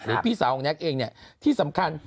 หรือพี่สาวของเนอะเองเนี่ย